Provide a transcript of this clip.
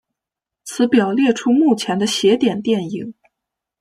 此表列出目前的邪典电影。